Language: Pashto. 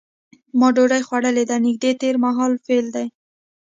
ما ډوډۍ خوړلې ده نږدې تېر مهال فعل دی.